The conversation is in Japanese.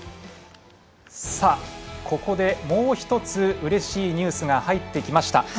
ここで、もう１つうれしいニュースが入ってきました。